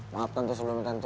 maaf tante sebelumnya tante